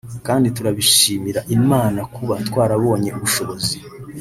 kandi turabishimira Imana kuba twarabonye ubushobozi